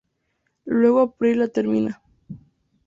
Luego April la termina.